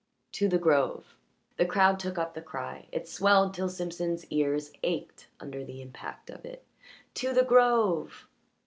"To the grove!" The crowd took up the cry; it swelled till Simpson's ears ached under the impact of it. "To the grove!"